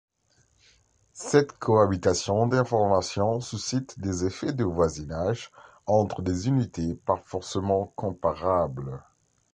Cette cohabitation d’informations suscite des effets de voisinages entre des unités pas forcément comparables.